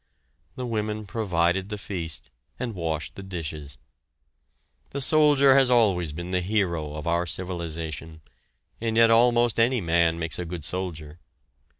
The women provided the feast and washed the dishes. The soldier has always been the hero of our civilization, and yet almost any man makes a good soldier.